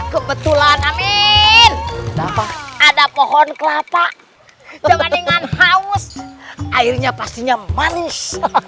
kebetulan amin ada pohon kelapa dibandingkan haus airnya pastinya manis